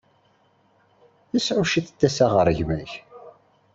Tekṛeh-iyi.